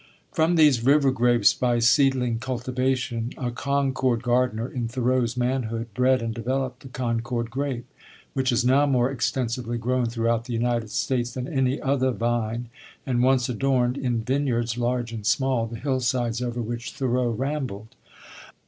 From these river grapes, by seedling cultivation, a Concord gardener, in Thoreau's manhood, bred and developed the Concord grape, which is now more extensively grown throughout the United States than any other vine, and once adorned, in vineyards large and small, the hillsides over which Thoreau rambled.